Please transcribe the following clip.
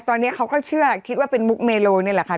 ตอนนี้เขาก็เชื่อคิดว่าเป็นมุกเมโลนี่แหละค่ะ